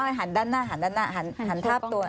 แม่อ้อยหันด้านหน้าหันทาบตัว